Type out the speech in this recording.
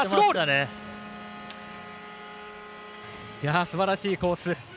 すばらしいコース。